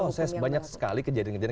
diproses banyak sekali kejadian kejadian